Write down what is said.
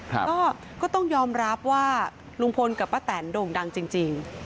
ก็ต้องยอมรับว่าลุงพลกับป้าแตนโด่งดังจริง